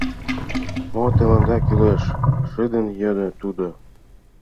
— Мо тыланда кӱлеш? — шыдын йодо тудо.